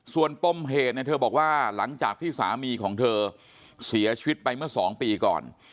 ส่วนปมเหตุเนี่ยเธอบอกว่าหลังจากที่สามีของเธอเสียชีวิตไปเมื่อ๒ปีก่อน